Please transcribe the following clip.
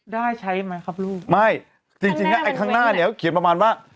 ได้ไหมครับลูกไม่จริงจริงแล้วไอ้ข้างหน้าเนี่ยก็เขียนประมาณว่า